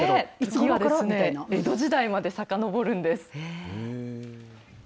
実は江戸時代までさかのぼるんです。